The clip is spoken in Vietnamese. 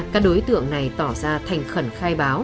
các đối tượng này tỏ ra thành khẩn khai báo